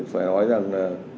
phải nói rằng